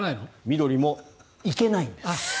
緑も行けないんです。